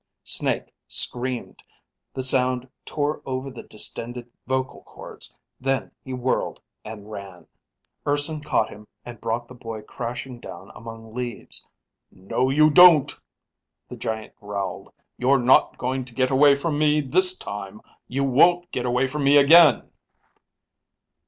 Snake screamed. The sound tore over the distended vocal cords. Then he whirled and ran. Urson caught him and brought the boy crashing down among leaves. "No you don't," the giant growled. "You're not going to get away from me this time. You won't get away from me again."